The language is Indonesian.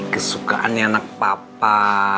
kesukaannya anak papa